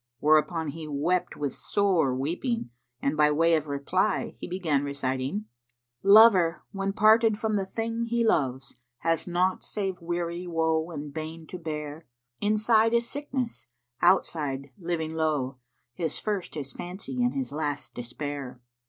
"[FN#64] Whereupon he wept with sore weeping and by way of reply he began reciting, "Lover, when parted from the thing he loves, * Has naught save weary woe and bane to bear. Inside is sickness, outside living lowe, * His first is fancy and his last despair."